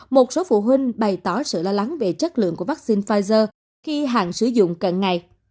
một số phụ huynh bày tỏ sự lo lắng về chất lượng của vaccine pfizer khi hàng sử dụng cận ngày